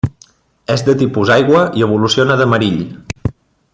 És de tipus aigua i evoluciona de Marill.